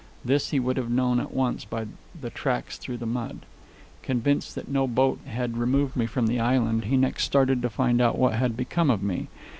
This he would have known at once by the tracks through the mud. Convinced that no boat had removed me from the island, he next started to find out what had become of me.